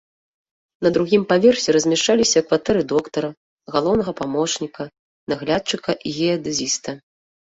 На другім паверсе размяшчаліся кватэры доктара, галоўнага памочніка наглядчыка і геадэзіста.